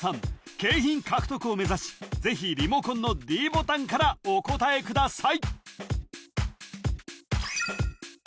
景品獲得を目指しぜひリモコンのｄボタンからお答えください